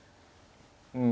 うん。